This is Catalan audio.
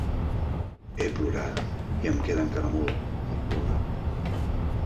He plorat i em queda encara molt per plorar.